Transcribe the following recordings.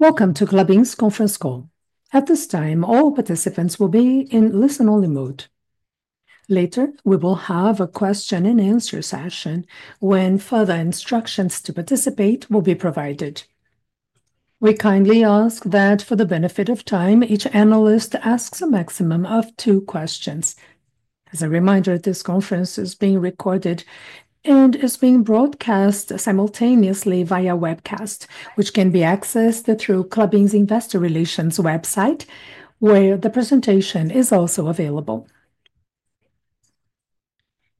Welcome to Klabin's conference call. At this time, all participants will be in listen-only mode. Later, we will have a question-and-answer session when further instructions to participate will be provided. We kindly ask that, for the benefit of time, each analyst asks a maximum of two questions. As a reminder, this conference is being recorded and is being broadcast simultaneously via webcast, which can be accessed through Klabin's Investor Relations website, where the presentation is also available.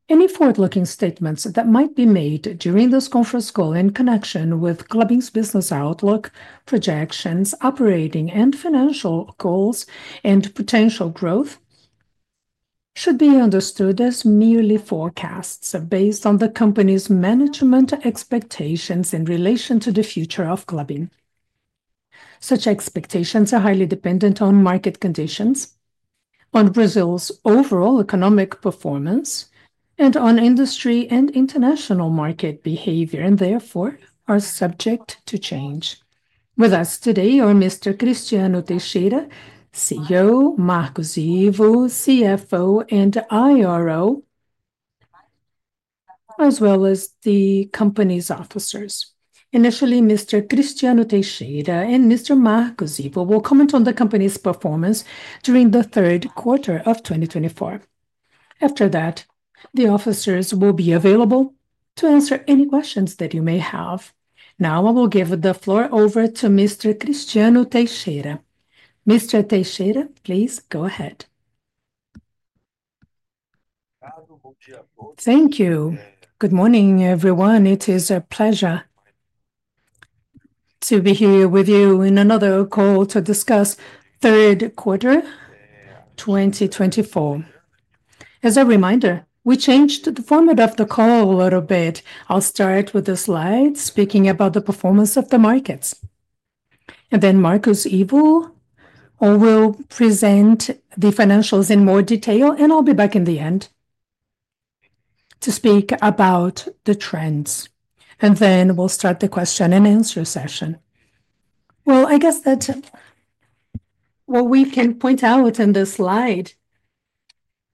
Any forward-looking statements that might be made during this conference call in connection with Klabin's business outlook, projections, operating and financial goals, and potential growth should be understood as merely forecasts based on the company's management expectations in relation to the future of Klabin. Such expectations are highly dependent on market conditions, on Brazil's overall economic performance, and on industry and international market behavior, and therefore are subject to change. With us today are Mr. Cristiano Teixeira, CEO, Marcos Ivo, CFO, and IRO, as well as the company's officers. Initially, Mr. Cristiano Teixeira and Mr. Marcos Ivo will comment on the company's performance during the third quarter of 2024. After that, the officers will be available to answer any questions that you may have. Now, I will give the floor over to Mr. Cristiano Teixeira. Mr. Teixeira, please go ahead. Thank you. Good morning, everyone. It is a pleasure to be here with you in another call to discuss third quarter 2024. As a reminder, we changed the format of the call a little bit. I'll start with the slides, speaking about the performance of the markets, and then Marcos Ivo will present the financials in more detail, and I'll be back at the end to speak about the trends, and then we'll start the question-and-answer session, well, I guess that what we can point out in this slide,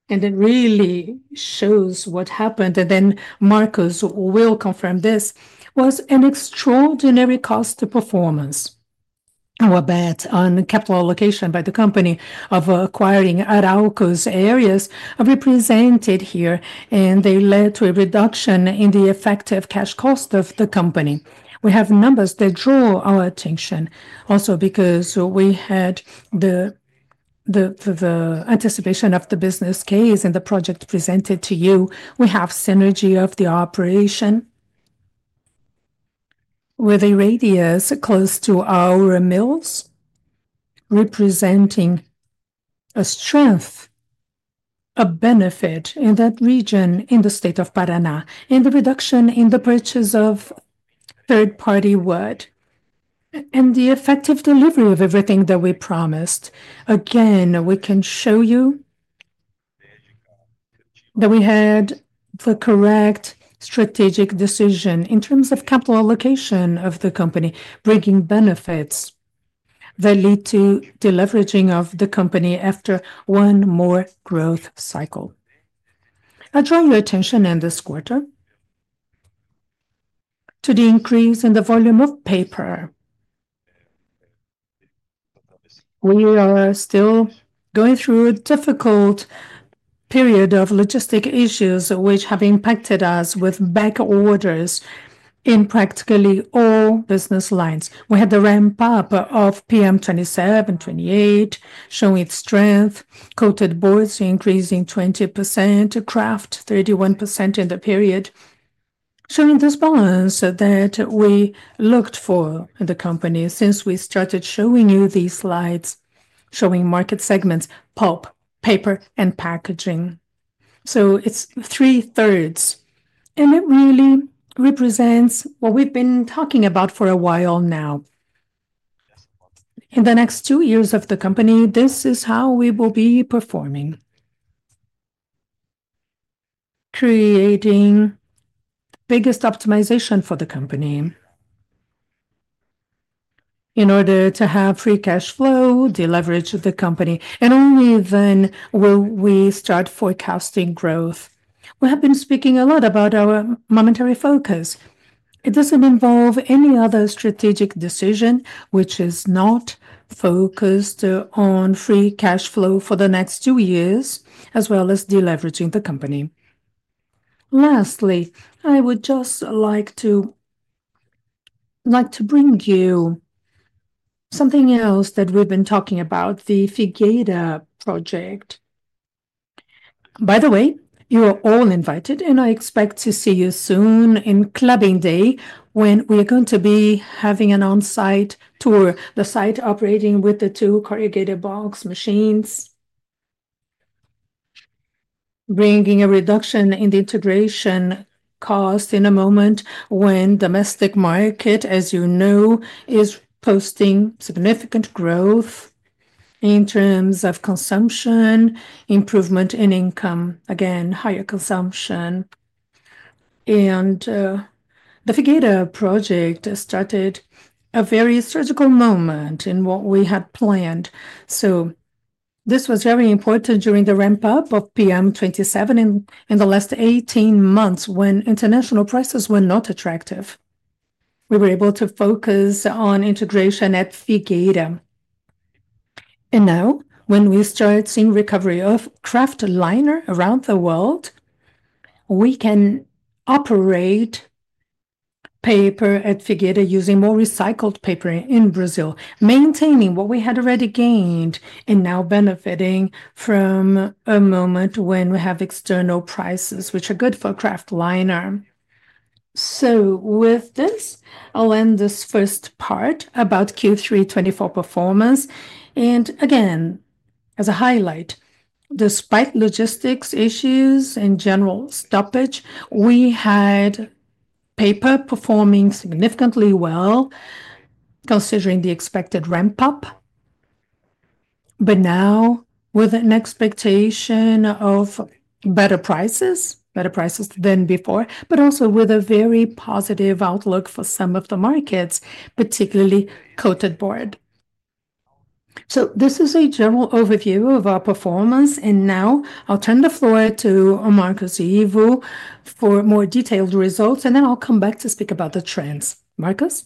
and it really shows what happened, and then Marcos will confirm this, was an extraordinary cost performance. Our bet on capital allocation by the company of acquiring Arauco's areas represented here, and they led to a reduction in the effective cash cost of the company. We have numbers that draw our attention, also because we had the anticipation of the business case and the project presented to you. We have synergy of the operation with a radius close to our mills, representing a strength, a benefit in that region in the state of Paraná, and the reduction in the purchase of third-party wood, and the effective delivery of everything that we promised. Again, we can show you that we had the correct strategic decision in terms of capital allocation of the company, bringing benefits that lead to the leveraging of the company after one more growth cycle. I draw your attention in this quarter to the increase in the volume of paper. We are still going through a difficult period of logistics issues, which have impacted us with back orders in practically all business lines. We had the ramp-up of PM27, 28, showing strength, coated boards increasing 20%, kraft 31% in the period, showing this balance that we looked for in the company since we started showing you these slides, showing market segments, pulp, paper, and packaging, so it's three-thirds, and it really represents what we've been talking about for a while now. In the next two years of the company, this is how we will be performing, creating the biggest optimization for the company in order to have free cash flow, the leverage of the company, and only then will we start forecasting growth. We have been speaking a lot about our momentary focus. It doesn't involve any other strategic decision, which is not focused on free cash flow for the next two years, as well as deleveraging the company. Lastly, I would just like to bring you something else that we've been talking about, the Figueira Project. By the way, you are all invited, and I expect to see you soon in Klabin Day when we are going to be having an on-site tour, the site operating with the two corrugated box machines, bringing a reduction in the integration cost in a moment when the domestic market, as you know, is posting significant growth in terms of consumption, improvement in income, again, higher consumption, and the Figueira Project started a very surgical moment in what we had planned. So this was very important during the ramp-up of PM27 in the last 18 months when international prices were not attractive. We were able to focus on integration at Figueira. And now, when we start seeing recovery of Kraftliner around the world, we can operate paper at Figueira using more recycled paper in Brazil, maintaining what we had already gained and now benefiting from a moment when we have external prices, which are good for Kraftliner. So with this, I'll end this first part about Q3 2024 performance. And again, as a highlight, despite logistics issues and general stoppage, we had paper performing significantly well, considering the expected ramp-up. But now, with an expectation of better prices, better prices than before, but also with a very positive outlook for some of the markets, particularly coated board. So this is a general overview of our performance. And now, I'll turn the floor to Marcos Ivo for more detailed results, and then I'll come back to speak about the trends. Marcos?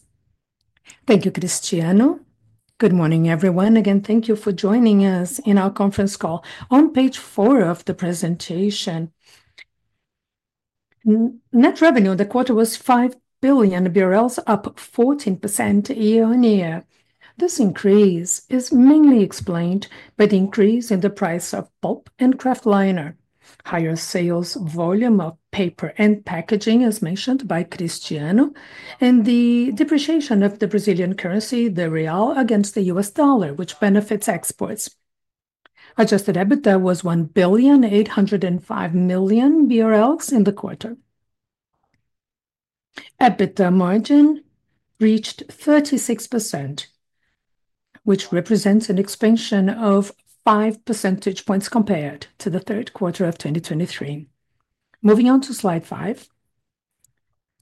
Thank you, Cristiano. Good morning, everyone. Again, thank you for joining us in our conference call. On page four of the presentation, net revenue in the quarter was 5 billion BRL, up 14% year on year. This increase is mainly explained by the increase in the price of pulp and Kraftliner, higher sales volume of paper and packaging, as mentioned by Cristiano, and the depreciation of the Brazilian currency, the real, against the US dollar, which benefits exports. Adjusted EBITDA was 1,805 million BRL in the quarter. EBITDA margin reached 36%, which represents an expansion of five percentage points compared to the third quarter of 2023. Moving on to slide five,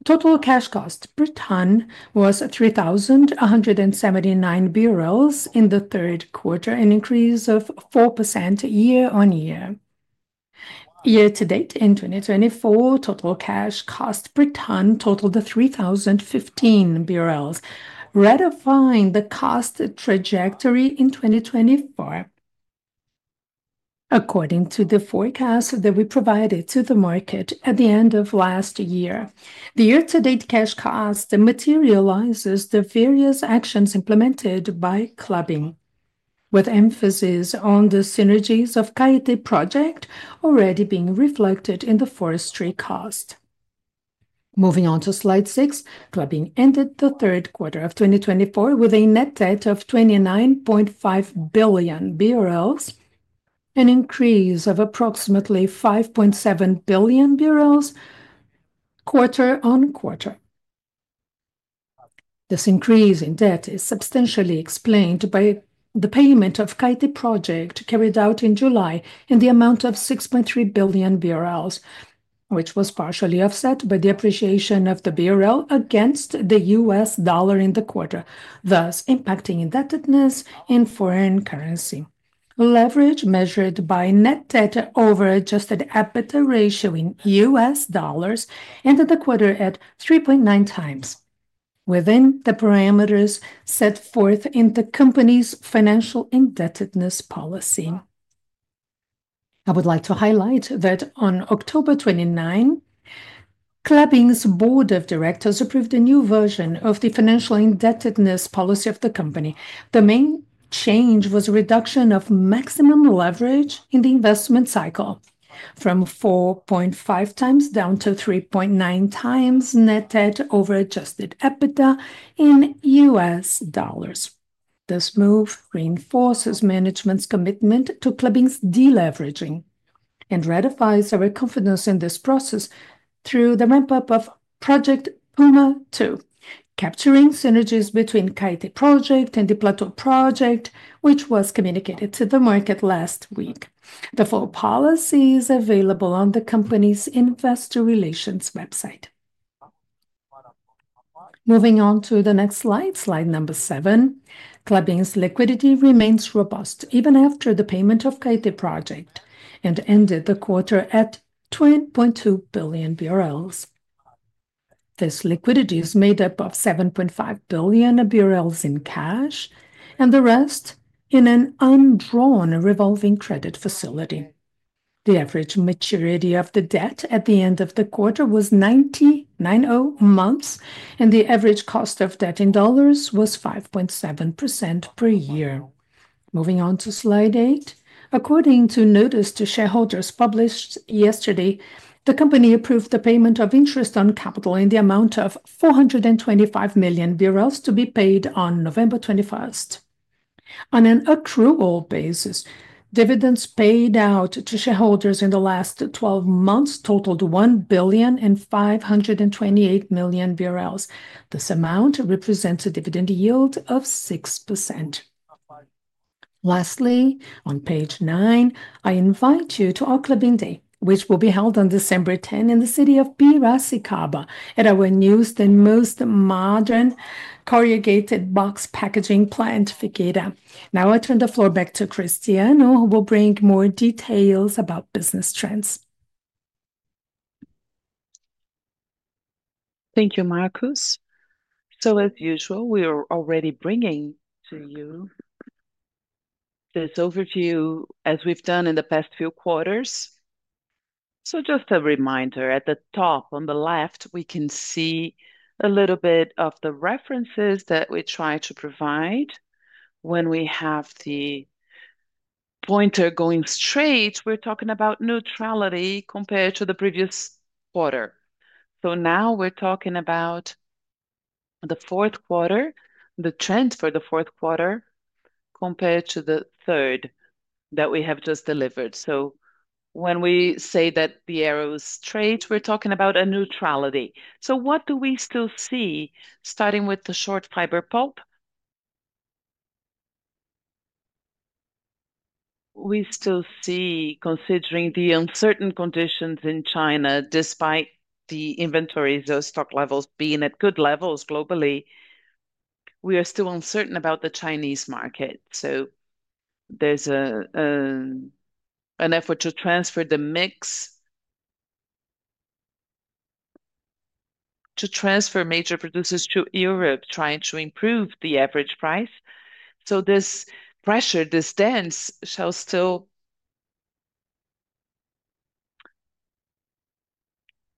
total cash cost per ton was 3,179 in the third quarter, an increase of 4% year on year. Year to date, in 2024, total cash cost per ton totaled $3,015, ratifying the cost trajectory in 2024, according to the forecast that we provided to the market at the end of last year. The year-to-date cash cost materializes the various actions implemented by Klabin, with emphasis on the synergies of the Caetê Project already being reflected in the forestry cost. Moving on to slide six, Klabin ended the third quarter of 2024 with a net debt of $29.5 billion, an increase of approximately $5.7 billion quarter on quarter. This increase in debt is substantially explained by the payment of the Caetê Project carried out in July in the amount of $6.3 billion, which was partially offset by the appreciation of the BRL against the U.S. dollar in the quarter, thus impacting indebtedness in foreign currency. Leverage, measured by net debt over adjusted EBITDA ratio in U.S. dollars, ended the quarter at 3.9 times, within the parameters set forth in the company's financial indebtedness policy. I would like to highlight that on October 29, Klabin's board of directors approved a new version of the financial indebtedness policy of the company. The main change was a reduction of maximum leverage in the investment cycle from 4.5 times down to 3.9 times net debt over adjusted EBITDA in U.S. dollars. This move reinforces management's commitment to Klabin's deleveraging and ratifies our confidence in this process through the ramp-up of Project Puma II, capturing synergies between the Caetê Project and the Plateau Project, which was communicated to the market last week. The full policy is available on the company's investor relations website. Moving on to the next slide, slide number seven, Klabin's liquidity remains robust even after the payment of the Caetê Project and ended the quarter at $2.2 billion. This liquidity is made up of $7.5 billion in cash and the rest in an undrawn revolving credit facility. The average maturity of the debt at the end of the quarter was 990 months, and the average cost of debt in dollars was 5.7% per year. Moving on to slide eight, according to notice to shareholders published yesterday, the company approved the payment of interest on capital in the amount of $425 million to be paid on November 21. On an accrual basis, dividends paid out to shareholders in the last 12 months totaled $1,528 million. This amount represents a dividend yield of 6%. Lastly, on page nine, I invite you to our Klabin Day, which will be held on December 10 in the city of Piracicaba, at our newest and most modern corrugated box packaging plant. Now I turn the floor back to Cristiano, who will bring more details about business trends. Thank you, Marcos. So as usual, we are already bringing to you this overview as we've done in the past few quarters. So just a reminder, at the top on the left, we can see a little bit of the references that we try to provide. When we have the pointer going straight, we're talking about neutrality compared to the previous quarter. So now we're talking about the fourth quarter, the trend for the fourth quarter compared to the third that we have just delivered. So when we say that the arrow is straight, we're talking about a neutrality. So what do we still see starting with the short fiber pulp? We still see, considering the uncertain conditions in China, despite the inventories or stock levels being at good levels globally, we are still uncertain about the Chinese market. So there's an effort to transfer the mix, to transfer major producers to Europe, trying to improve the average price. So this pressure, this tension still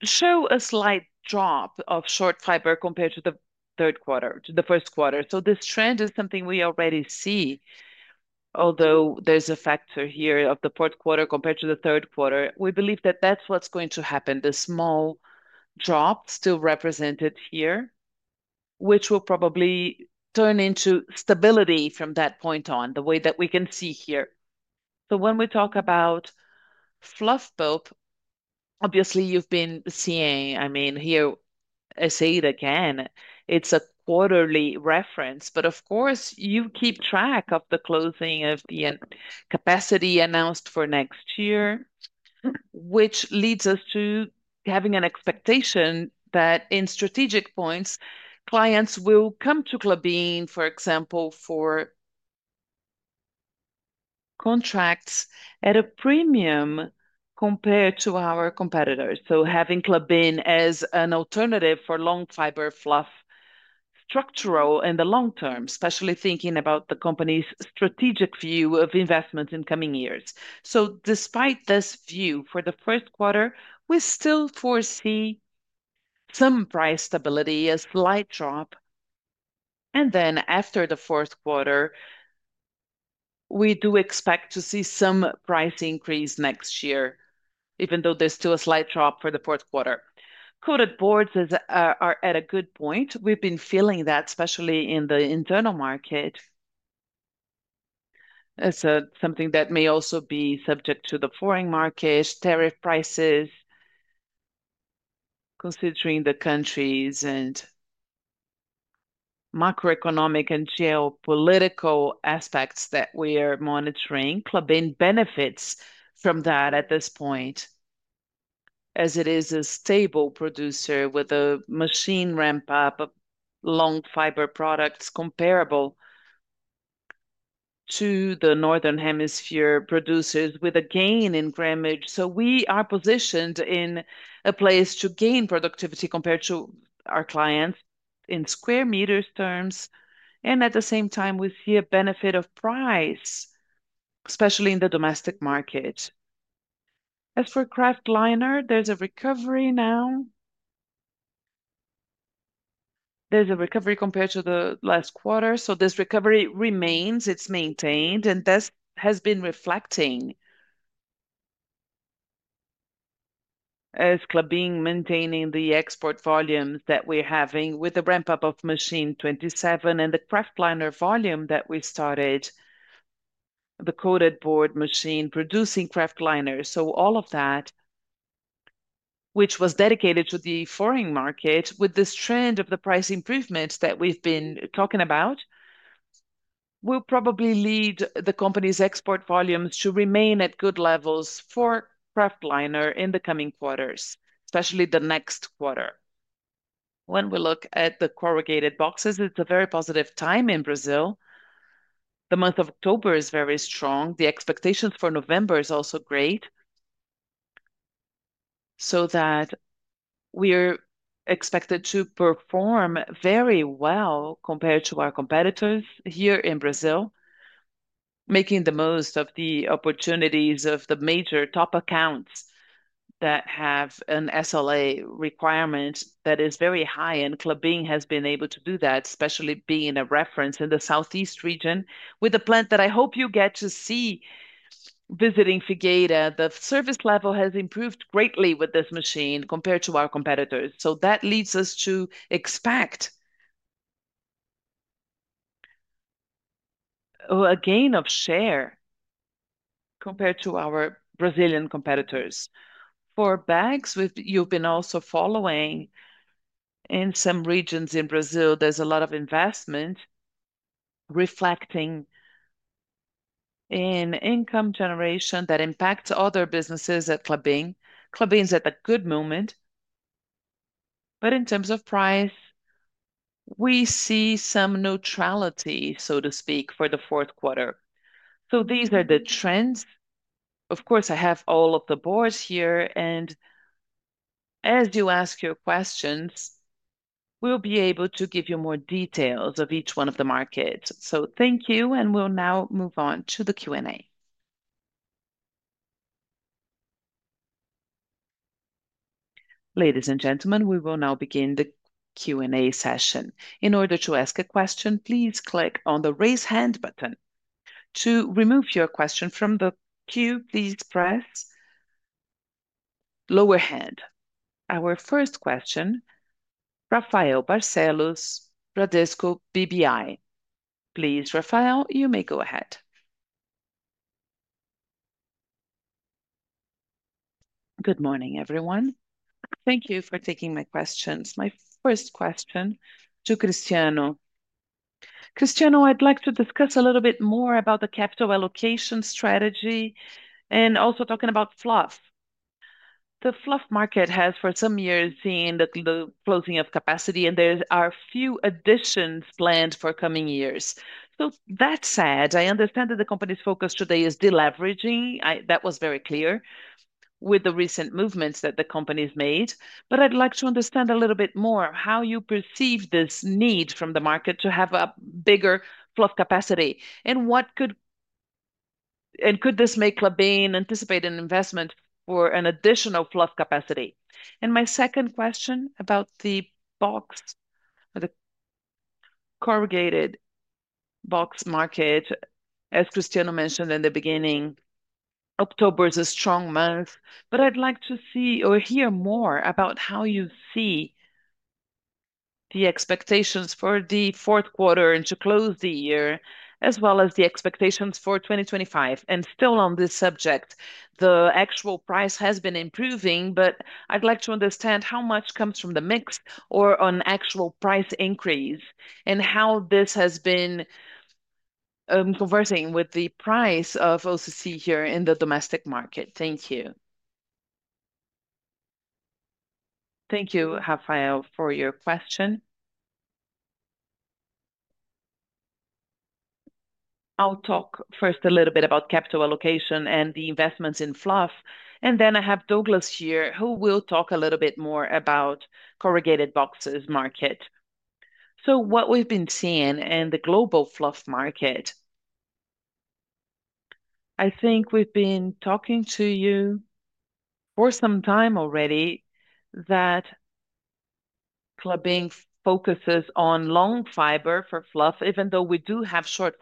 show a slight drop of short fiber compared to the third quarter, to the first quarter. So this trend is something we already see, although there's a factor here of the fourth quarter compared to the third quarter. We believe that that's what's going to happen. The small drop still represented here, which will probably turn into stability from that point on, the way that we can see here. So when we talk about fluff pulp, obviously you've been seeing, I mean, here, I say it again, it's a quarterly reference, but of course, you keep track of the closing of the capacity announced for next year, which leads us to having an expectation that in strategic points, clients will come to Klabin, for example, for contracts at a premium compared to our competitors. So having Klabin as an alternative for long fiber fluff structural in the long term, especially thinking about the company's strategic view of investment in coming years. So despite this view for the first quarter, we still foresee some price stability, a slight drop. And then after the fourth quarter, we do expect to see some price increase next year, even though there's still a slight drop for the fourth quarter. Coated boards are at a good point. We've been feeling that, especially in the internal market. It's something that may also be subject to the foreign market, tariff prices, considering the countries and macroeconomic and geopolitical aspects that we are monitoring. Klabin benefits from that at this point, as it is a stable producer with a machine ramp-up of long fiber products comparable to the northern hemisphere producers with a gain in grammage, so we are positioned in a place to gain productivity compared to our clients in square meter terms, and at the same time, we see a benefit of price, especially in the domestic market. As for Kraftliner, there's a recovery now. There's a recovery compared to the last quarter. This recovery remains, it's maintained, and this has been reflecting as Klabin maintaining the export volumes that we're having with the ramp-up of machine 27 and the Kraftliner volume that we started, the coated board machine producing Kraftliner. All of that, which was dedicated to the foreign market, with this trend of the price improvements that we've been talking about, will probably lead the company's export volumes to remain at good levels for Kraftliner in the coming quarters, especially the next quarter. When we look at the corrugated boxes, it's a very positive time in Brazil. The month of October is very strong. The expectations for November are also great. We are expected to perform very well compared to our competitors here in Brazil, making the most of the opportunities of the major top accounts that have an SLA requirement that is very high. Klabin has been able to do that, especially being a reference in the southeast region with a plant that I hope you get to see visiting Figueira. The service level has improved greatly with this machine compared to our competitors. That leads us to expect a gain of share compared to our Brazilian competitors. For bags, you have been also following in some regions in Brazil. There is a lot of investment reflecting in income generation that impacts other businesses at Klabin. Klabin is at a good moment, but in terms of price, we see some neutrality, so to speak, for the fourth quarter. These are the trends. Of course, I have all of the boards here, and as you ask your questions, we'll be able to give you more details of each one of the markets. So thank you, and we'll now move on to the Q&A. Ladies and gentlemen, we will now begin the Q&A session. In order to ask a question, please click on the raise hand button. To remove your question from the queue, please press lower hand. Our first question, Rafael Barcellos, Bradesco BBI. Please, Rafael, you may go ahead. Good morning, everyone. Thank you for taking my questions. My first question to Cristiano. Cristiano, I'd like to discuss a little bit more about the capital allocation strategy and also talking about fluff. The fluff market has for some years seen the closing of capacity, and there are a few additions planned for coming years. So that said, I understand that the company's focus today is deleveraging. That was very clear with the recent movements that the company's made. But I'd like to understand a little bit more how you perceive this need from the market to have a bigger fluff capacity and what could this make Klabin anticipate an investment for an additional fluff capacity? And my second question about the box, the corrugated box market, as Cristiano mentioned in the beginning, October is a strong month, but I'd like to see or hear more about how you see the expectations for the fourth quarter and to close the year, as well as the expectations for 2025. And still on this subject, the actual price has been improving, but I'd like to understand how much comes from the mix or an actual price increase and how this has been converging with the price of OCC here in the domestic market. Thank you. Thank you, Rafael, for your question. I'll talk first a little bit about capital allocation and the investments in fluff, and then I have Douglas here, who will talk a little bit more about the corrugated boxes market. So what we've been seeing in the global fluff market, I think we've been talking to you for some time already that Klabin focuses on long fiber for fluff, even though we do have short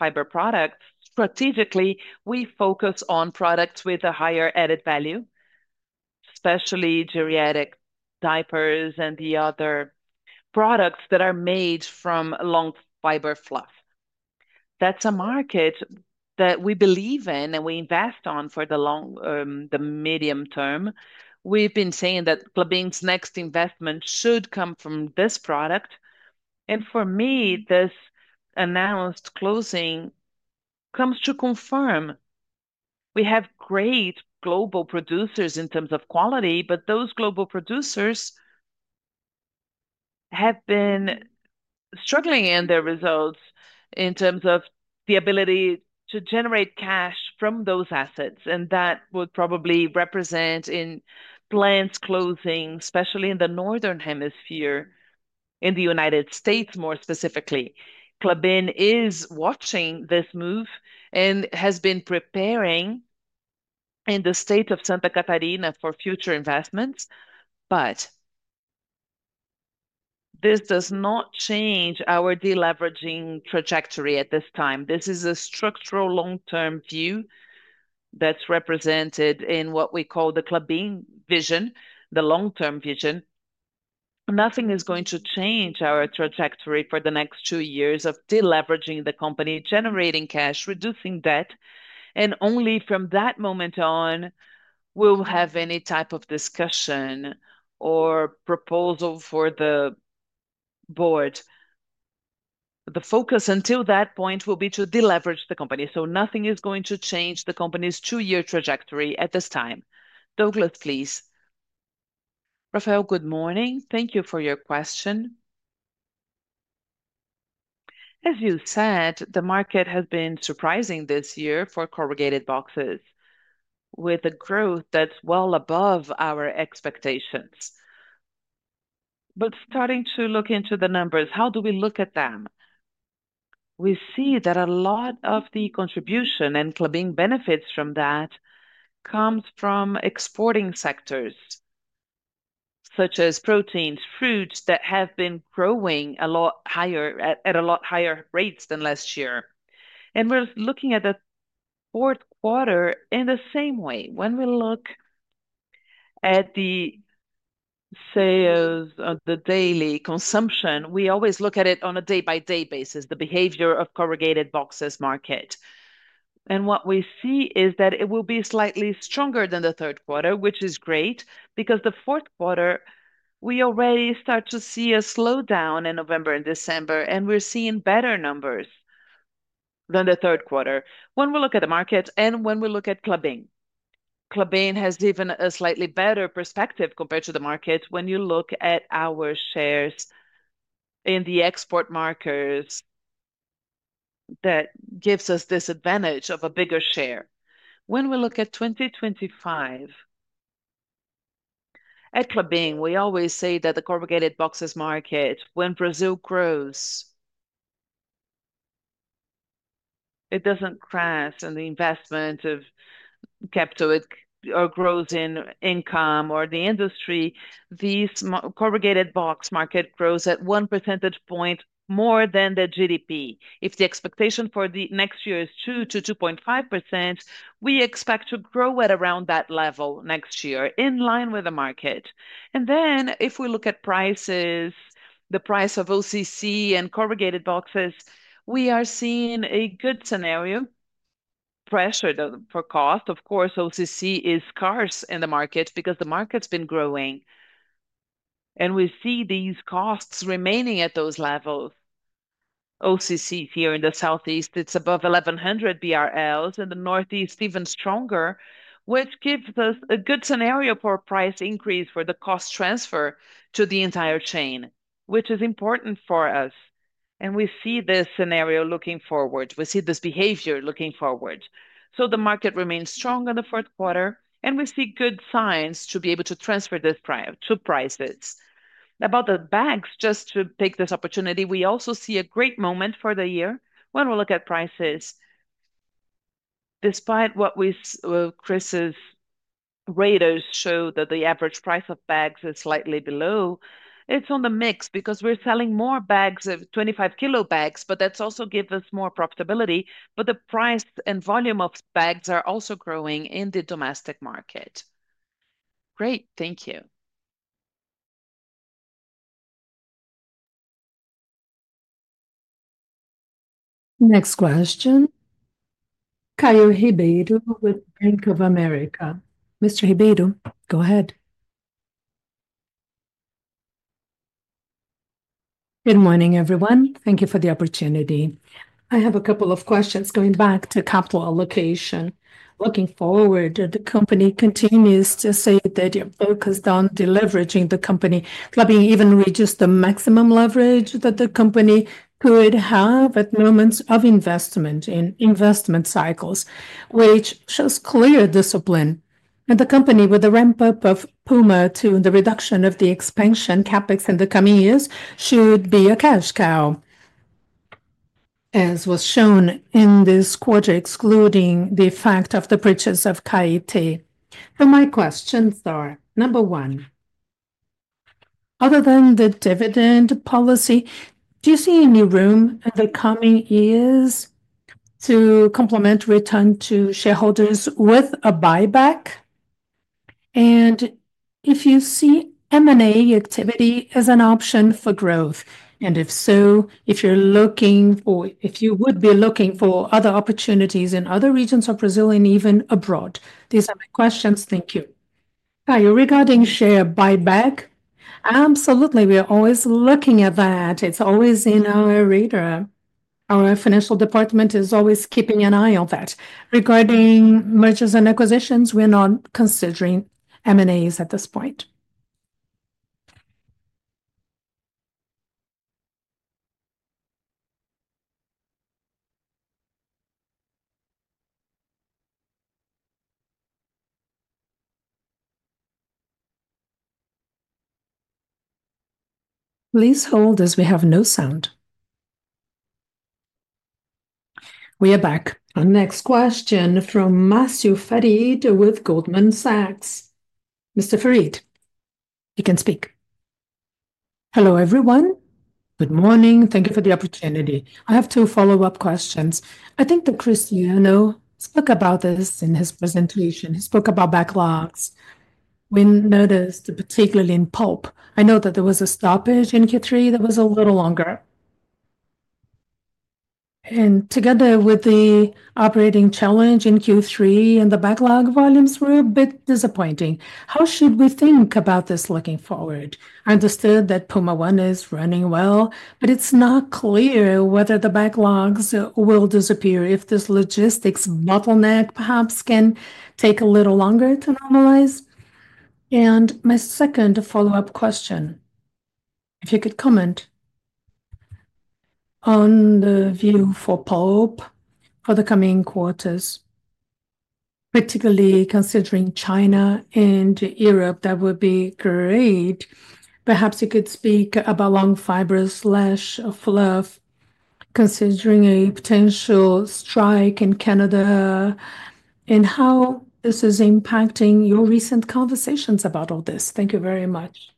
fiber products. Strategically, we focus on products with a higher added value, especially geriatric diapers and the other products that are made from long fiber fluff. That's a market that we believe in and we invest in for the long, the medium term. We've been saying that Klabin's next investment should come from this product, and for me, this announced closing comes to confirm we have great global producers in terms of quality, but those global producers have been struggling in their results in terms of the ability to generate cash from those assets, and that would probably represent plant closings, especially in the northern hemisphere in the United States, more specifically. Klabin is watching this move and has been preparing in the state of Santa Catarina for future investments, but this does not change our deleveraging trajectory at this time. This is a structural long-term view that's represented in what we call the Klabin vision, the long-term vision. Nothing is going to change our trajectory for the next two years of deleveraging the company, generating cash, reducing debt, and only from that moment on, we'll have any type of discussion or proposal for the board. The focus until that point will be to deleverage the company, so nothing is going to change the company's two-year trajectory at this time. Douglas, please. Rafael, good morning. Thank you for your question. As you said, the market has been surprising this year for corrugated boxes with a growth that's well above our expectations, but starting to look into the numbers, how do we look at them? We see that a lot of the contribution, and Klabin benefits from that comes from exporting sectors such as proteins, fruits that have been growing a lot higher at a lot higher rates than last year. We're looking at the fourth quarter in the same way. When we look at the sales of the daily consumption, we always look at it on a day-by-day basis, the behavior of the corrugated boxes market. What we see is that it will be slightly stronger than the third quarter, which is great because the fourth quarter, we already start to see a slowdown in November and December, and we're seeing better numbers than the third quarter. When we look at the market and when we look at Klabin, Klabin has given a slightly better perspective compared to the market when you look at our shares in the export markets that gives us this advantage of a bigger share. When we look at 2025, at Klabin, we always say that the corrugated boxes market, when Brazil grows, it doesn't crash in the investment of capital or growth in income or the industry. This corrugated box market grows at one percentage point more than the GDP. If the expectation for the next year is 2%-2.5%, we expect to grow at around that level next year in line with the market. Then if we look at prices, the price of OCC and corrugated boxes, we are seeing a good scenario. Pressure for cost, of course, OCC is scarce in the market because the market's been growing. We see these costs remaining at those levels. OCC here in the southeast, it's above 1,100 BRL in the northeast, even stronger, which gives us a good scenario for price increase for the cost transfer to the entire chain, which is important for us, and we see this scenario looking forward. We see this behavior looking forward, so the market remains strong in the fourth quarter, and we see good signs to be able to transfer this to prices. About the bags, just to take this opportunity, we also see a great moment for the year when we look at prices. Despite what Chris's radars show that the average price of bags is slightly below, it's on the mix because we're selling more bags of 25-kilo bags, but that's also gives us more profitability. But the price and volume of bags are also growing in the domestic market. Great. Thank you. Next question. Caio Ribeiro with Bank of America. Mr. Ribeiro, go ahead. Good morning, everyone. Thank you for the opportunity. I have a couple of questions going back to capital allocation. Looking forward, the company continues to say that you're focused on deleveraging the company. Klabin even reaches the maximum leverage that the company could have at moments of investment in investment cycles, which shows clear discipline, and the company with the ramp-up of Puma to the reduction of the expansion CapEx in the coming years should be a cash cow, as was shown in this quarter, excluding the fact of the purchase of Caetê, and my questions are, number one, other than the dividend policy, do you see any room in the coming years to complement return to shareholders with a buyback? And if you see M&A activity as an option for growth, and if so, if you're looking for, if you would be looking for other opportunities in other regions of Brazil and even abroad, these are my questions. Thank you. Caio, regarding share buyback, absolutely, we're always looking at that. It's always in our radar. Our financial department is always keeping an eye on that. Regarding mergers and acquisitions, we're not considering M&As at this point. Please hold as we have no sound. We are back. Our next question from Marcio Farid with Goldman Sachs. Mr. Farid, you can speak. Hello, everyone. Good morning. Thank you for the opportunity. I have two follow-up questions. I think that Cristiano spoke about this in his presentation. He spoke about backlogs. We noticed particularly in pulp. I know that there was a stoppage in Q3 that was a little longer. Together with the operating challenge in Q3, the backlog volumes were a bit disappointing. How should we think about this looking forward? I understood that Puma I is running well, but it's not clear whether the backlogs will disappear if this logistics bottleneck perhaps can take a little longer to normalize. And my second follow-up question, if you could comment on the view for pulp for the coming quarters, particularly considering China and Europe, that would be great. Perhaps you could speak about long fibers/fluff considering a potential strike in Canada and how this is impacting your recent conversations about all this. Thank you very much.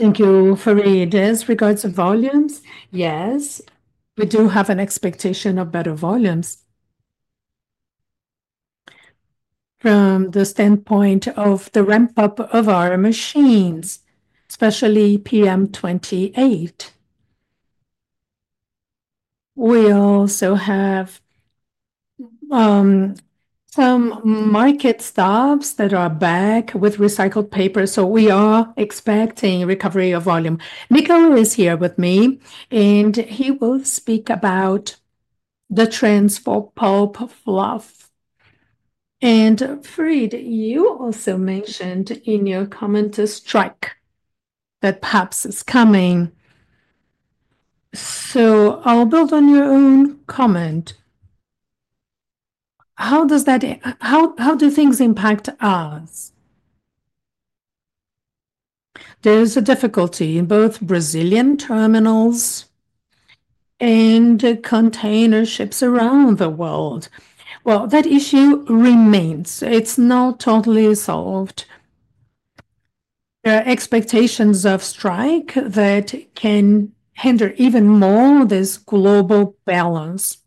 Thank you, Farid. As regards to volumes, yes, we do have an expectation of better volumes from the standpoint of the ramp-up of our machines, especially PM28. We also have some maintenance stops that are back with recycled paper, so we are expecting recovery of volume. Nico is here with me, and he will speak about the trends for fluff pulp. Farid, you also mentioned in your comment a strike that perhaps is coming, so I'll build on your own comment. How does that, how do things impact us? There's a difficulty in both Brazilian terminals and container ships around the world. Well, that issue remains. It's not totally solved. There are expectations of a strike that can hinder even more this global balance.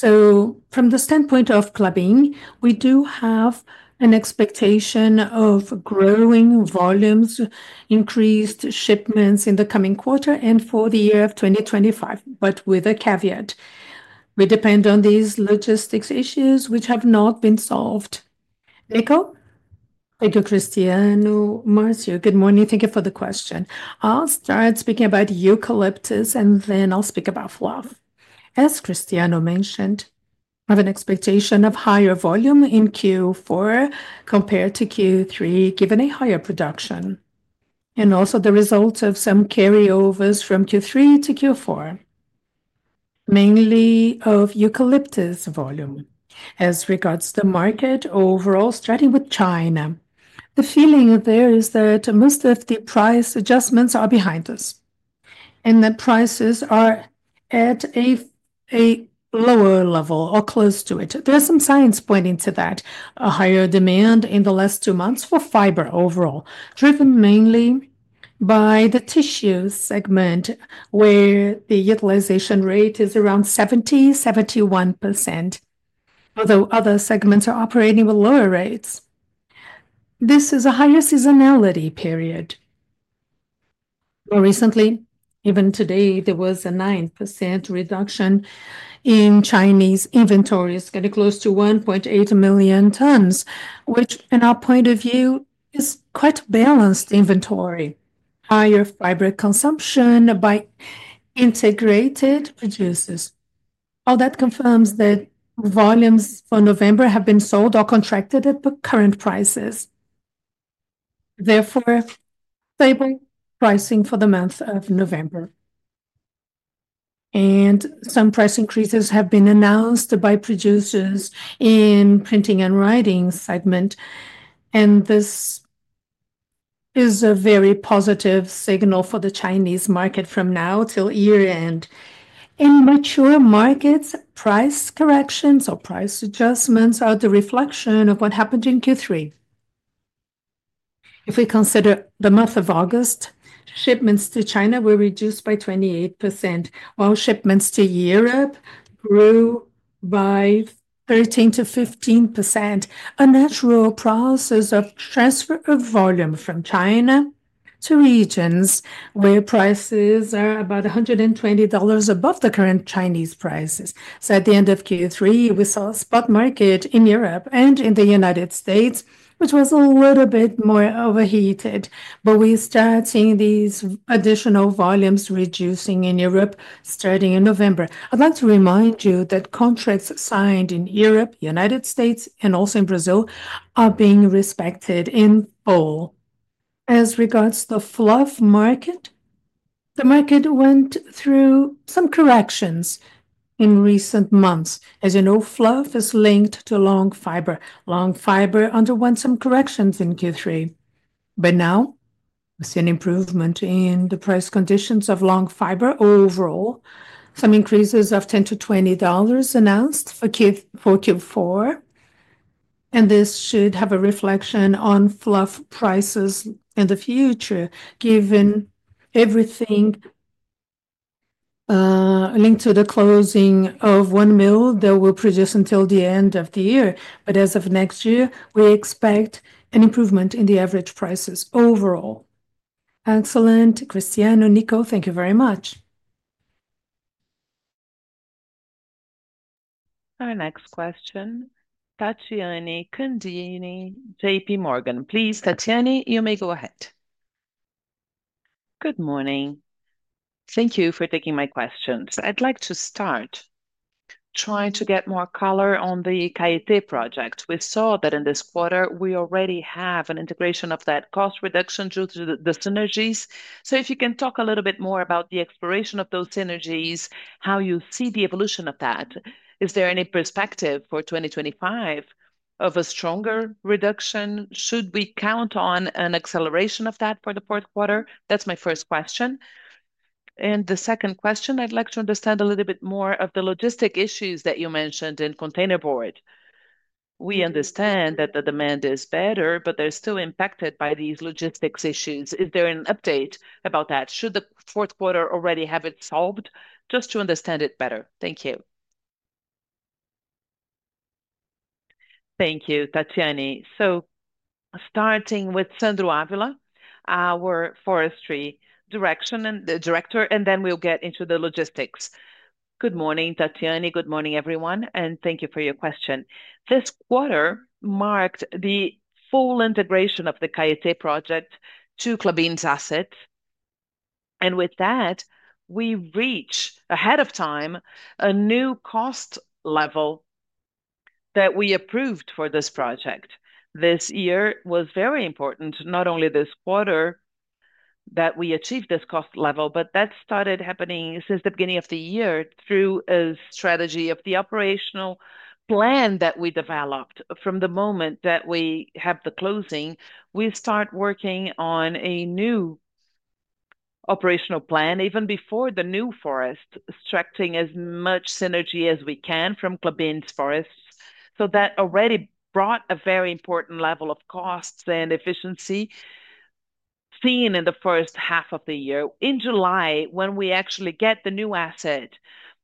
From the standpoint of Klabin, we do have an expectation of growing volumes, increased shipments in the coming quarter and for the year of 2025, but with a caveat. We depend on these logistics issues which have not been solved. Nico. Thank you, Cristiano. Marcio, good morning. Thank you for the question. I'll start speaking about eucalyptus, and then I'll speak about fluff. As Cristiano mentioned, I have an expectation of higher volume in Q4 compared to Q3, given a higher production, and also the result of some carryovers from Q3 to Q4, mainly of eucalyptus volume. As regards the market overall, starting with China, the feeling there is that most of the price adjustments are behind us, and that prices are at a lower level or close to it. There are some signs pointing to that. A higher demand in the last two months for fiber overall, driven mainly by the tissue segment where the utilization rate is around 70%-71%, although other segments are operating with lower rates. This is a higher seasonality period. More recently, even today, there was a 9% reduction in Chinese inventory, getting close to 1.8 million tons, which, from our point of view, is quite a balanced inventory. Higher fiber consumption by integrated producers. All that confirms that volumes for November have been sold or contracted at the current prices. Therefore, stable pricing for the month of November. And some price increases have been announced by producers in printing and writing segment. And this is a very positive signal for the Chinese market from now till year-end. In mature markets, price corrections or price adjustments are the reflection of what happened in Q3. If we consider the month of August, shipments to China were reduced by 28%, while shipments to Europe grew by 13%-15%. A natural process of transfer of volume from China to regions where prices are about $120 above the current Chinese prices. So at the end of Q3, we saw a spot market in Europe and in the United States, which was a little bit more overheated. But we're starting these additional volumes reducing in Europe starting in November. I'd like to remind you that contracts signed in Europe, United States, and also in Brazil are being respected in full. As regards the fluff market, the market went through some corrections in recent months. As you know, fluff is linked to long fiber. Long fiber underwent some corrections in Q3. But now we see an improvement in the price conditions of long fiber overall. Some increases of $10-$20 announced for Q4. And this should have a reflection on fluff prices in the future, given everything linked to the closing of one mill that will produce until the end of the year. But as of next year, we expect an improvement in the average prices overall. Excellent. Cristiano, Nico, thank you very much. Our next question, Tathiane Candini, J.P. Morgan. Please, Tathiane, you may go ahead. Good morning. Thank you for taking my questions. I'd like to start trying to get more color on the Caetê Project. We saw that in this quarter, we already have an integration of that cost reduction due to the synergies. So if you can talk a little bit more about the exploration of those synergies, how you see the evolution of that, is there any perspective for 2025 of a stronger reduction? Should we count on an acceleration of that for the fourth quarter? That's my first question. And the second question, I'd like to understand a little bit more of the logistics issues that you mentioned in containerboard. We understand that the demand is better, but they're still impacted by these logistics issues. Is there an update about that? Should the fourth quarter already have it solved? Just to understand it better. Thank you. Thank you, Tathiane. So starting with Sandro Ávila, our forestry director, and then we'll get into the logistics. Good morning, Tathiane. Good morning, everyone. And thank you for your question. This quarter marked the full integration of the Caetê Project to Klabin's assets. And with that, we reached ahead of time a new cost level that we approved for this project. This year was very important, not only this quarter that we achieved this cost level, but that started happening since the beginning of the year through a strategy of the operational plan that we developed. From the moment that we have the closing, we start working on a new operational plan, even before the new forest, extracting as much synergy as we can from Klabin's forests, so that already brought a very important level of costs and efficiency seen in the first half of the year. In July, when we actually get the new asset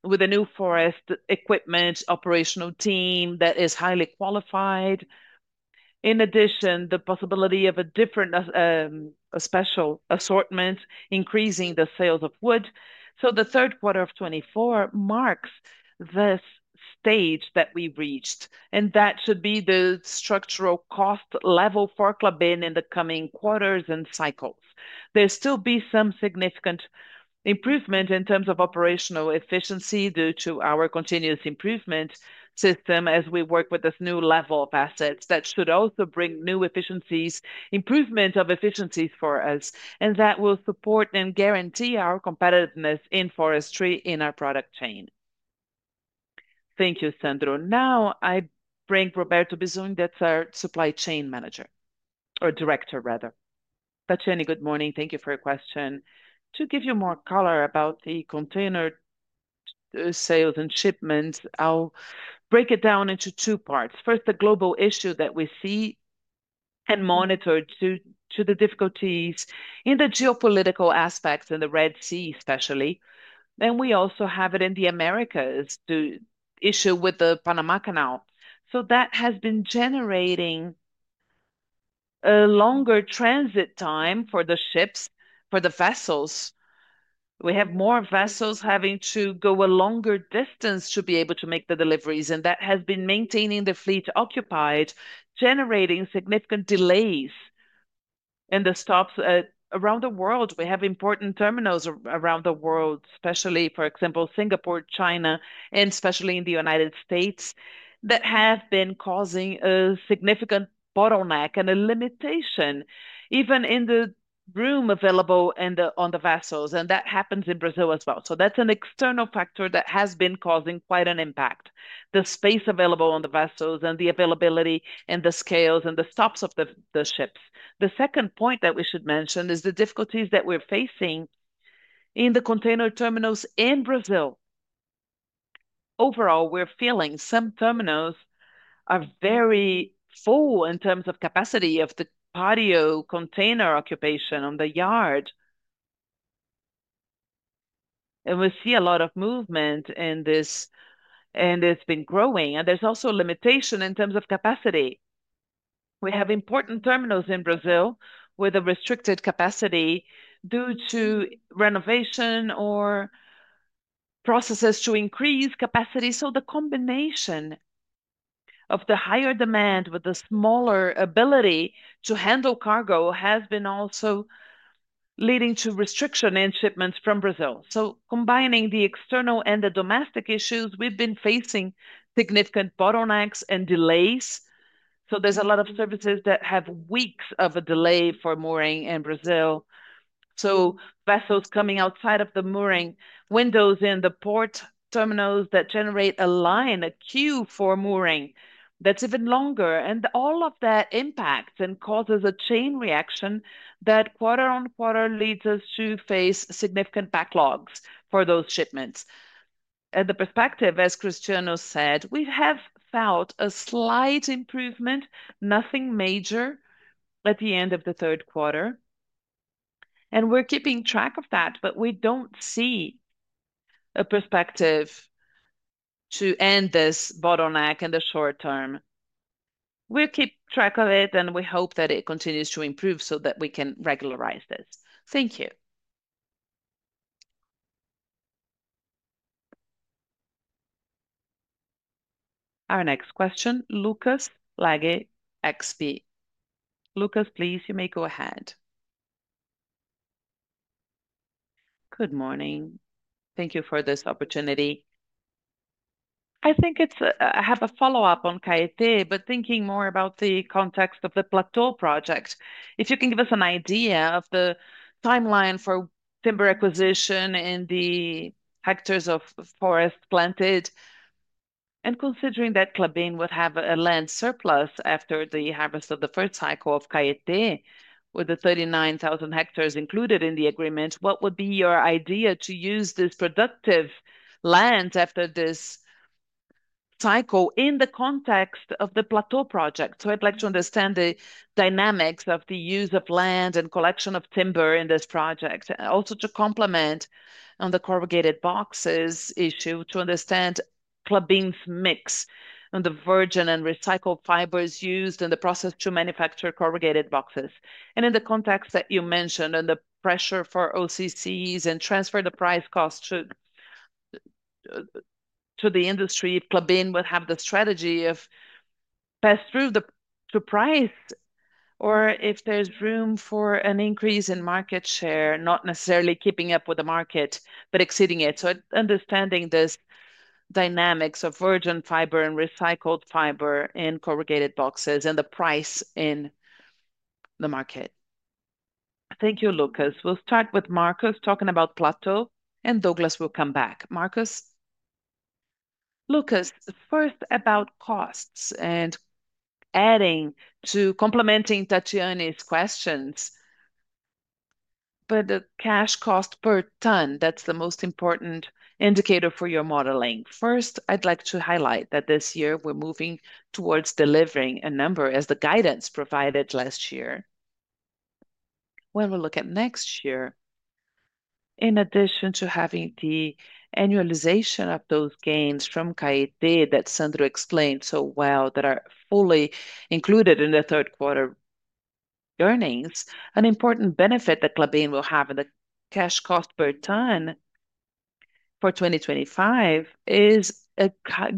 with a new forest equipment operational team that is highly qualified. In addition, the possibility of a different special assortment, increasing the sales of wood, so the third quarter of 2024 marks this stage that we reached, and that should be the structural cost level for Klabin in the coming quarters and cycles. There'll still be some significant improvement in terms of operational efficiency due to our continuous improvement system as we work with this new level of assets that should also bring new efficiencies, improvement of efficiencies for us, and that will support and guarantee our competitiveness in forestry in our product chain. Thank you, Sandro. Now I bring Roberto Bisogni, that's our supply chain manager, or director, rather. Tathiane, good morning. Thank you for your question. To give you more color about the container sales and shipments, I'll break it down into two parts. First, the global issue that we see and monitor due to the difficulties in the geopolitical aspects in the Red Sea, especially, and we also have it in the Americas, the issue with the Panama Canal, so that has been generating a longer transit time for the ships, for the vessels. We have more vessels having to go a longer distance to be able to make the deliveries. And that has been maintaining the fleet occupied, generating significant delays in the stops around the world. We have important terminals around the world, especially, for example, Singapore, China, and especially in the United States, that have been causing a significant bottleneck and a limitation, even in the room available on the vessels. And that happens in Brazil as well. So that's an external factor that has been causing quite an impact, the space available on the vessels and the availability and the schedules and the stops of the ships. The second point that we should mention is the difficulties that we're facing in the container terminals in Brazil. Overall, we're feeling some terminals are very full in terms of capacity of the patio container occupation on the yard. We see a lot of movement in this, and it's been growing. There's also a limitation in terms of capacity. We have important terminals in Brazil with a restricted capacity due to renovation or processes to increase capacity. The combination of the higher demand with the smaller ability to handle cargo has been also leading to restriction in shipments from Brazil. Combining the external and the domestic issues, we've been facing significant bottlenecks and delays. There's a lot of services that have weeks of a delay for mooring in Brazil. Vessels coming outside of the mooring windows in the port terminals that generate a line, a queue for mooring that's even longer. All of that impacts and causes a chain reaction that quarter on quarter leads us to face significant backlogs for those shipments. From the perspective, as Cristiano said, we have felt a slight improvement, nothing major at the end of the third quarter. We're keeping track of that, but we don't see a prospect to end this bottleneck in the short term. We'll keep track of it, and we hope that it continues to improve so that we can regularize this. Thank you. Our next question, Lucas Laghi, XP. Lucas, please, you may go ahead. Good morning. Thank you for this opportunity. I think I have a follow-up on Caetê, but thinking more about the context of the Plateau Project, if you can give us an idea of the timeline for timber acquisition and the hectares of forest planted. Considering that Klabin would have a land surplus after the harvest of the first cycle of Caetê, with the 39,000 hectares included in the agreement, what would be your idea to use this productive land after this cycle in the context of the Plateau Project? I'd like to understand the dynamics of the use of land and collection of timber in this project, also to complement on the corrugated boxes issue, to understand Klabin's mix on the virgin and recycled fibers used in the process to manufacture corrugated boxes. In the context that you mentioned on the pressure for OCCs and transfer the price cost to the industry, Klabin would have the strategy of pass through the price or if there's room for an increase in market share, not necessarily keeping up with the market, but exceeding it. Understanding the dynamics of virgin fiber and recycled fiber in corrugated boxes and the price in the market. Thank you, Lucas. We'll start with Marcos talking about Plateau, and Douglas will come back. Marcos. Lucas, first about costs and adding to, complementing Tathiane's questions. But the cash cost per ton, that's the most important indicator for your modeling. First, I'd like to highlight that this year we're moving towards delivering a number as the guidance provided last year. When we look at next year, in addition to having the annualization of those gains from Caetê that Sandro explained so well that are fully included in the third quarter earnings, an important benefit that Klabin will have in the cash cost per ton for 2025 is a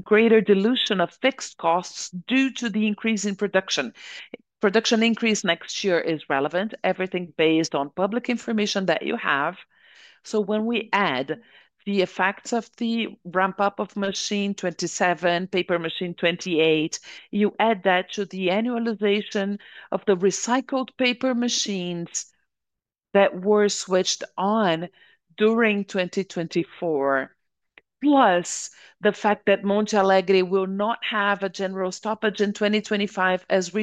greater dilution of fixed costs due to the increase in production. Production increase next year is relevant. Everything based on public information that you have. So when we add the effects of the ramp-up of Machine 27, Paper Machine 28, you add that to the annualization of the recycled paper machines that were switched on during 2024, plus the fact that Monte Alegre will not have a general stoppage in 2025 as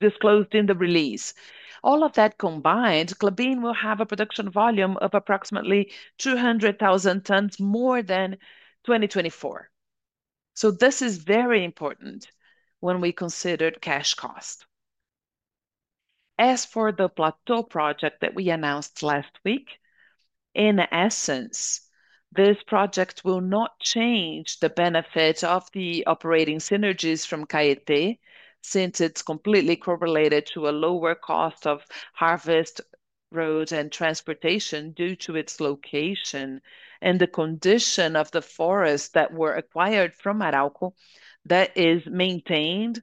disclosed in the release. All of that combined, Klabin will have a production volume of approximately 200,000 tons more than 2024. So this is very important when we consider cash cost. As for the Plateau Project that we announced last week, in essence, this project will not change the benefit of the operating synergies from Caetê since it's completely correlated to a lower cost of harvest, road, and transportation due to its location and the condition of the forest that were acquired from Arauco that is maintained.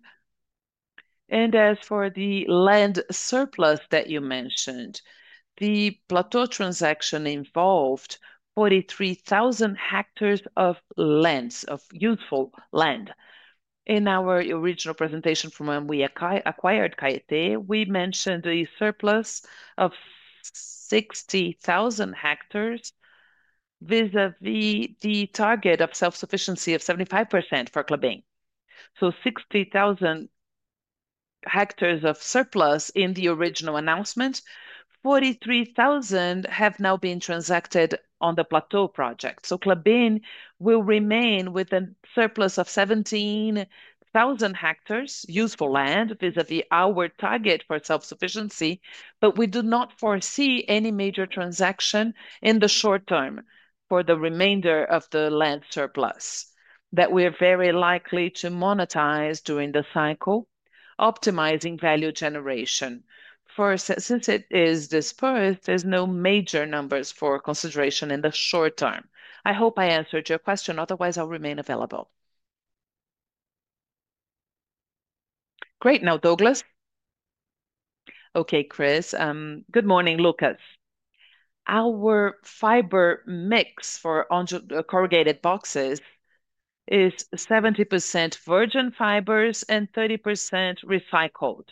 As for the land surplus that you mentioned, the Plateau transaction involved 43,000 hectares of land, of useful land. In our original presentation from when we acquired Caetê, we mentioned a surplus of 60,000 hectares vis-à-vis the target of self-sufficiency of 75% for Klabin. So 60,000 hectares of surplus in the original announcement, 43,000 have now been transacted on the Plateau Project. So Klabin will remain with a surplus of 17,000 hectares useful land vis-à-vis our target for self-sufficiency, but we do not foresee any major transaction in the short term for the remainder of the land surplus that we are very likely to monetize during the cycle, optimizing value generation. For since it is dispersed, there's no major numbers for consideration in the short term. I hope I answered your question. Otherwise, I'll remain available. Great. Now, Douglas. Okay, Chris. Good morning, Lucas. Our fiber mix for corrugated boxes is 70% virgin fibers and 30% recycled.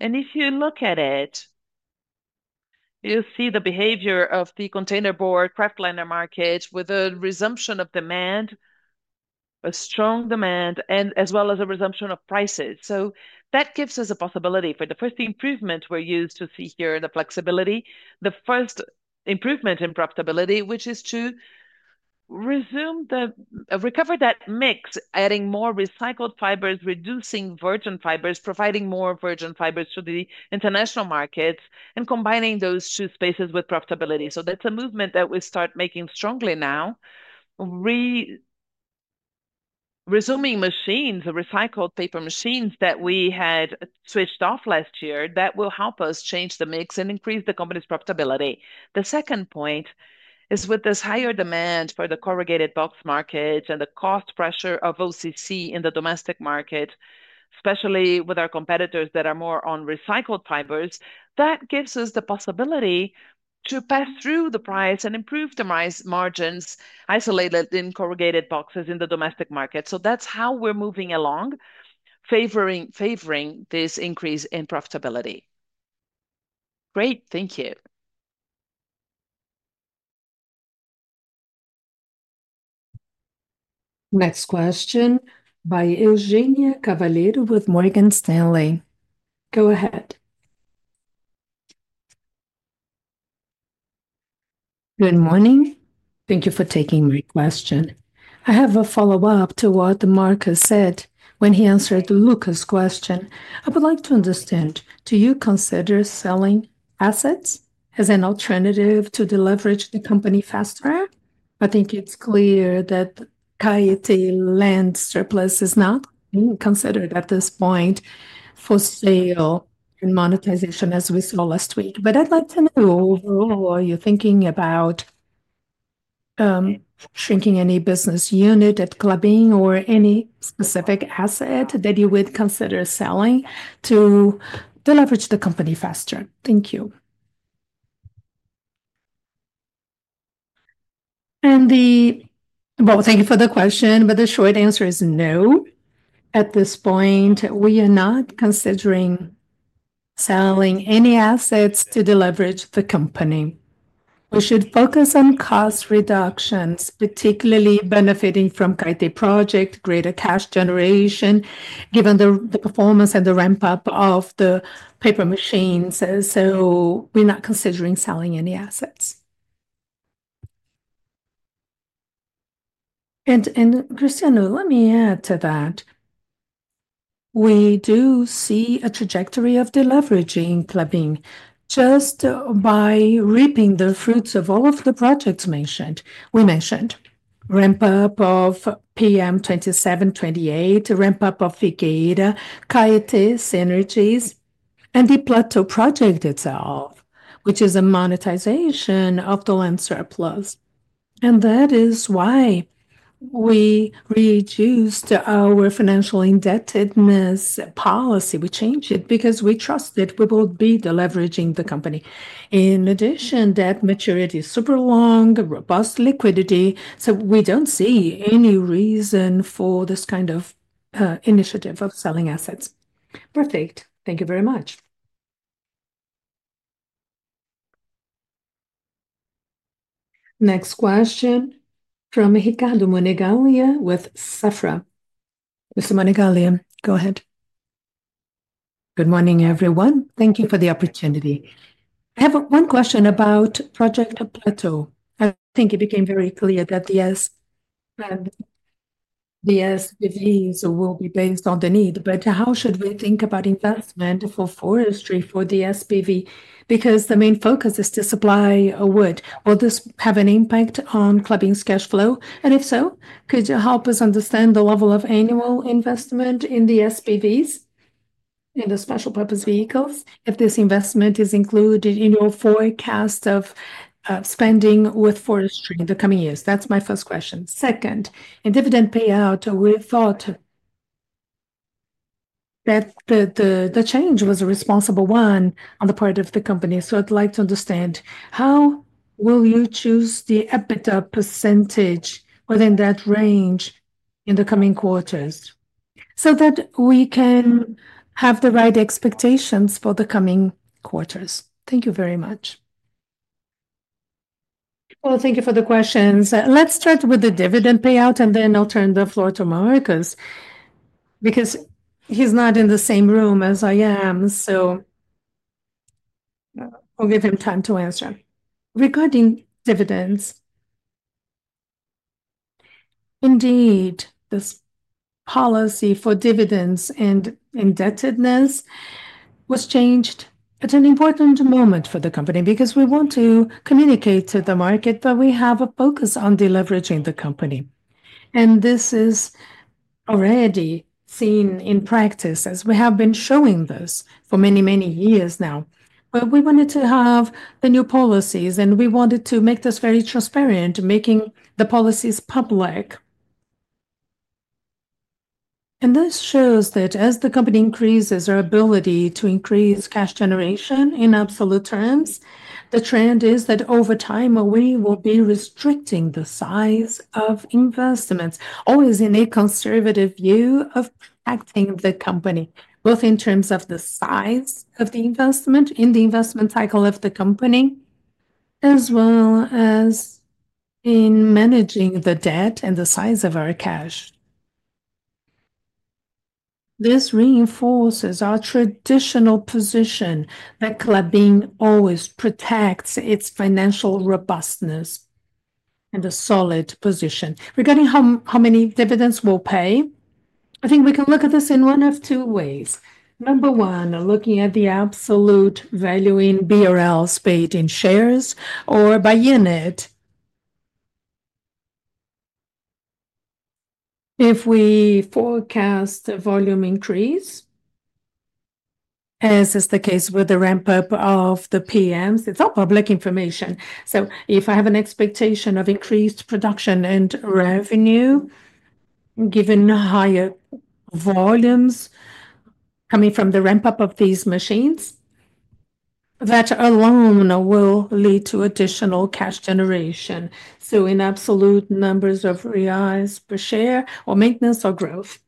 And if you look at it, you'll see the behavior of the containerboard, Kraftliner market with a resumption of demand, a strong demand, and as well as a resumption of prices. So that gives us a possibility for the first improvement we're used to see here in the flexibility, the first improvement in profitability, which is to resume the recovery that mix, adding more recycled fibers, reducing virgin fibers, providing more virgin fibers to the international markets, and combining those two spaces with profitability. So that's a movement that we start making strongly now. Resuming machines, recycled paper machines that we had switched off last year that will help us change the mix and increase the company's profitability. The second point is with this higher demand for the corrugated box market and the cost pressure of OCC in the domestic market, especially with our competitors that are more on recycled fibers, that gives us the possibility to pass through the price and improve the price margins isolated in corrugated boxes in the domestic market. So that's how we're moving along, favoring this increase in profitability. Great. Thank you. Next question by Eugênia Cavalheiro with Morgan Stanley. Go ahead. Good morning. Thank you for taking my question. I have a follow-up to what Marcos said when he answered Lucas' question. I would like to understand, do you consider selling assets as an alternative to deliver the company faster? I think it's clear that Caetê land surplus is not being considered at this point for sale and monetization, as we saw last week. But I'd like to know overall, are you thinking about shrinking any business unit at Klabin or any specific asset that you would consider selling to deliver the company faster? Thank you. And, well, thank you for the question, but the short answer is no. At this point, we are not considering selling any assets to deliver the company. We should focus on cost reductions, particularly benefiting from Caetê Project, greater cash generation, given the performance and the ramp-up of the paper machines. So we're not considering selling any assets. And Cristiano, let me add to that. We do see a trajectory of deleveraging Klabin just by reaping the fruits of all of the projects we mentioned. We mentioned ramp-up of PM27 and PM28, ramp-up of Figueira Project, Caetê synergies, and the Plateau Project itself, which is a monetization of the land surplus. And that is why we reduced our financial indebtedness policy. We changed it because we trusted we will be deleveraging the company. In addition, that maturity is super long, robust liquidity. So we don't see any reason for this kind of initiative of selling assets. Perfect. Thank you very much. Next question from Ricardo Monegaglia with Safra. Mr. Monegaglia, go ahead. Good morning, everyone. Thank you for the opportunity. I have one question about Plateau Project. I think it became very clear that the SPVs will be based on the need, but how should we think about investment for forestry for the SPV? Because the main focus is to supply wood. Will this have an impact on Klabin's cash flow? If so, could you help us understand the level of annual investment in the SPVs, in the special purpose vehicles, if this investment is included in your forecast of spending with forestry in the coming years? That's my first question. Second, in dividend payout, we thought that the change was a responsible one on the part of the company. So I'd like to understand how will you choose the EBITDA percentage within that range in the coming quarters so that we can have the right expectations for the coming quarters? Thank you very much. Thank you for the questions. Let's start with the dividend payout, and then I'll turn the floor to Marcos because he's not in the same room as I am, so I'll give him time to answer. Regarding dividends, indeed, this policy for dividends and indebtedness was changed at an important moment for the company because we want to communicate to the market that we have a focus on deleveraging the company. And this is already seen in practice as we have been showing this for many, many years now. But we wanted to have the new policies, and we wanted to make this very transparent, making the policies public. And this shows that as the company increases their ability to increase cash generation in absolute terms, the trend is that over time, we will be restricting the size of investments, always in a conservative view of protecting the company, both in terms of the size of the investment in the investment cycle of the company, as well as in managing the debt and the size of our cash. This reinforces our traditional position that Klabin always protects its financial robustness and a solid position. Regarding how many dividends we'll pay, I think we can look at this in one of two ways. Number one, looking at the absolute value in BRL paid in shares or by unit. If we forecast a volume increase, as is the case with the ramp-up of the PMs, it's all public information. So if I have an expectation of increased production and revenue given higher volumes coming from the ramp-up of these machines, that alone will lead to additional cash generation. So in absolute numbers of reais per share or maintenance or growth.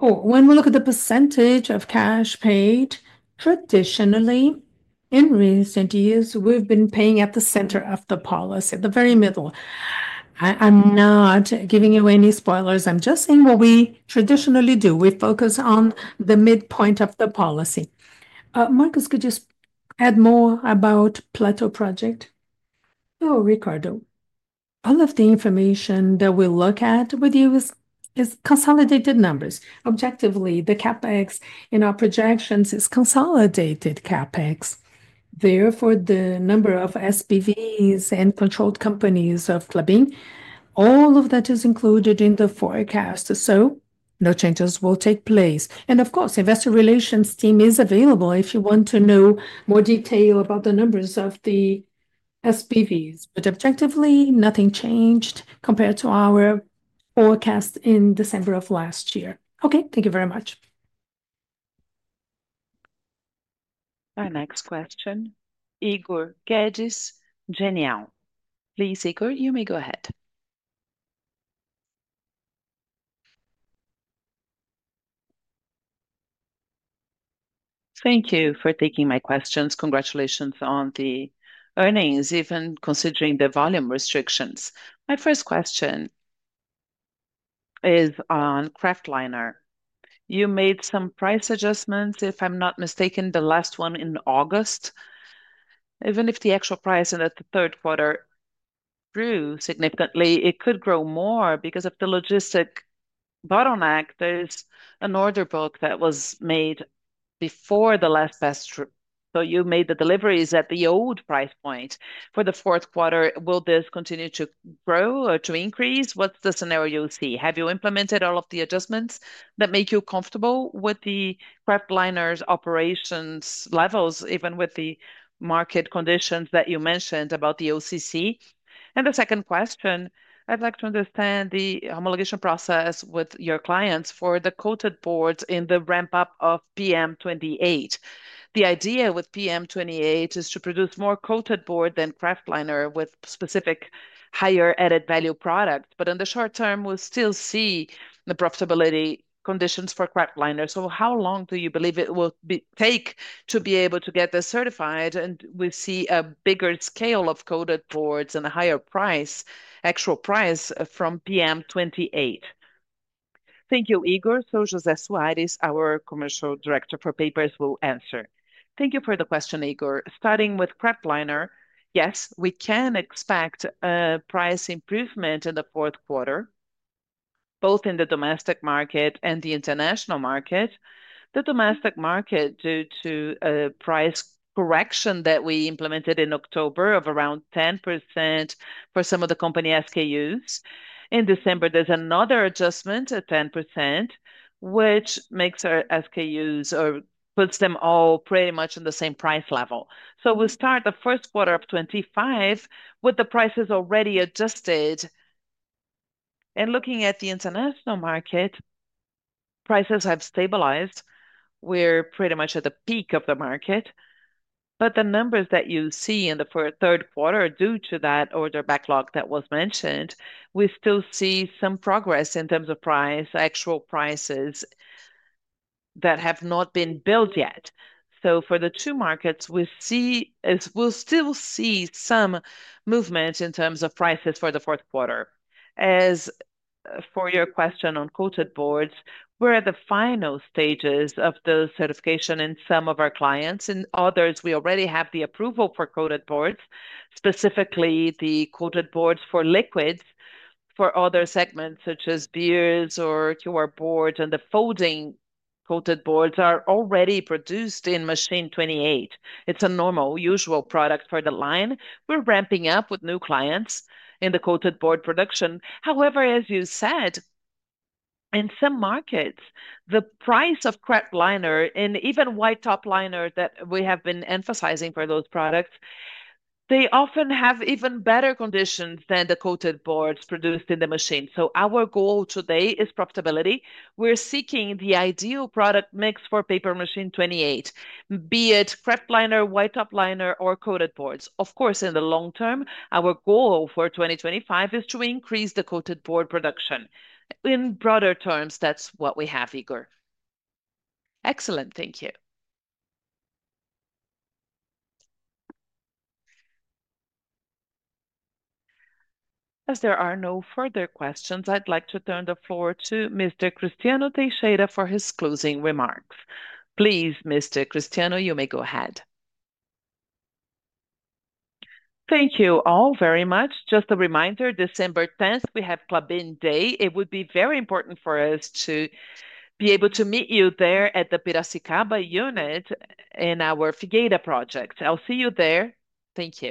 Or when we look at the percentage of cash paid, traditionally, in recent years, we've been paying at the center of the policy, the very middle. I'm not giving you any spoilers. I'm just saying what we traditionally do. We focus on the midpoint of the policy. Marcos, could you add more about Plateau Project? Oh, Ricardo, all of the information that we look at with you is consolidated numbers. Objectively, the CapEx in our projections is consolidated CapEx. Therefore, the number of SPVs and controlled companies of Klabin, all of that is included in the forecast. So no changes will take place. And of course, the investor relations team is available if you want to know more detail about the numbers of the SPVs. But objectively, nothing changed compared to our forecast in December of last year. Okay, thank you very much. Our next question, Igor Guedes, Genial. Please, Igor, you may go ahead. Thank you for taking my questions. Congratulations on the earnings, even considering the volume restrictions. My first question is on Kraftliner. You made some price adjustments, if I'm not mistaken, the last one in August. Even if the actual price in the third quarter grew significantly, it could grow more because of the logistic bottleneck. There's an order book that was made before the last test. So you made the deliveries at the old price point. For the fourth quarter, will this continue to grow or to increase? What's the scenario you see? Have you implemented all of the adjustments that make you comfortable with the Kraftliner's operations levels, even with the market conditions that you mentioned about the OCC? And the second question, I'd like to understand the homologation process with your clients for the coated boards in the ramp-up of PM28. The idea with PM28 is to produce more coated board than Kraftliner with specific higher added value products. But in the short term, we'll still see the profitability conditions for Kraftliner. So how long do you believe it will take to be able to get this certified? And we see a bigger scale of coated boards and a higher price, actual price from PM28. Thank you, Igor. So José Soares, our commercial director for papers, will answer. Thank you for the question, Igor. Starting with Kraftliner, yes, we can expect a price improvement in the fourth quarter, both in the domestic market and the international market. The domestic market, due to a price correction that we implemented in October of around 10% for some of the company SKUs. In December, there's another adjustment at 10%, which makes our SKUs or puts them all pretty much in the same price level. So we'll start the first quarter of 2025 with the prices already adjusted. Looking at the international market, prices have stabilized. We're pretty much at the peak of the market. But the numbers that you see in the third quarter, due to that order backlog that was mentioned, we still see some progress in terms of price, actual prices that have not been built yet. So for the two markets, we'll still see some movement in terms of prices for the fourth quarter. As for your question on coated boards, we're at the final stages of the certification in some of our clients. In others, we already have the approval for coated boards, specifically the coated boards for liquids for other segments, such as beers or Kraft boards. And the folding coated boards are already produced in Machine 28. It's a normal, usual product for the line. We're ramping up with new clients in the coated board production. However, as you said, in some markets, the price of Kraftliner and even White Top Liner that we have been emphasizing for those products, they often have even better conditions than the coated boards produced in the machine. So our goal today is profitability. We're seeking the ideal product mix for Paper Machine 28, be it Kraftliner, White Top Liner, or coated boards. Of course, in the long term, our goal for 2025 is to increase the coated board production. In broader terms, that's what we have, Igor. Excellent. Thank you. As there are no further questions, I'd like to turn the floor to Mr. Cristiano Teixeira for his closing remarks. Please, Mr. Cristiano, you may go ahead. Thank you all very much. Just a reminder, December 10th, we have Klabin Day. It would be very important for us to be able to meet you there at the Piracicaba unit in our Figueira Project. I'll see you there. Thank you.